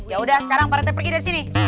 yaudah sekarang pak rete pergi dari sini